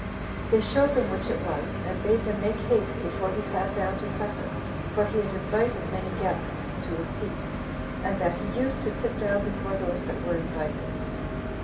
They showed them which it was; and bid them make haste before he sat down to supper, for he had invited many guests to a feast, and that he used to sit down before those that were invited.